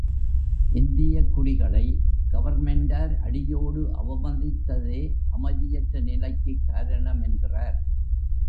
இந்தியக் குடிகளை கவர்ன்மென்டார் அடியோடு அவமதித்ததே அமைதியற்ற நிலைக்குக் காரணமென்கிறார்.